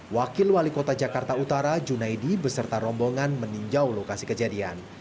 wakil wali kota jakarta utara junaidi beserta rombongan meninjau lokasi kejadian